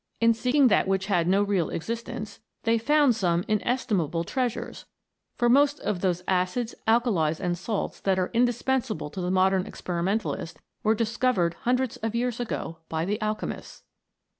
In seeking that which had no real existence, they found some inestimable trea sures ; for most of those acids, alkalies, and salts that are indispensable to the modern experimental ist were discovered hundreds of years ago by the alchemists.